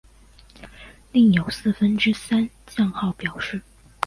另有四分之三降号表示。